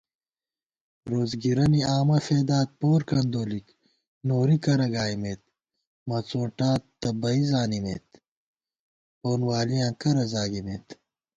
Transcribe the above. روڅگِرَنےآمہ فېدات پور کندولِک نوری کرہ گائیمېت * مڅوٹاں تہ بئ زانِمېت پونوالِیاں کرہ زاگِمېت